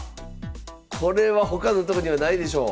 これは他のとこにはないでしょう。